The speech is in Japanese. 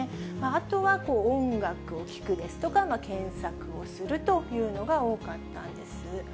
あとは音楽を聴くですとか、検索をするというのが多かったんです。